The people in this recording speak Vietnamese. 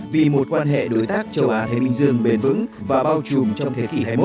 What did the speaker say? vì một quan hệ đối tác châu á thế bình dương bền vững và bao trùm trong thế kỷ hai mươi một